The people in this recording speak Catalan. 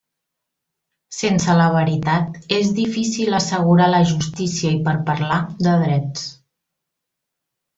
Sense la veritat, és difícil assegurar la justícia i per parlar de drets.